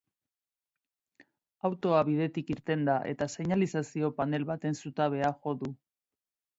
Autoa bidetik irten da, eta seinalizazio panel baten zutabea jo du.